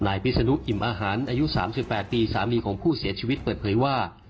พิศนุอิ่มอาหารอายุ๓๘ปีสามีของผู้เสียชีวิตเปิดเผยว่า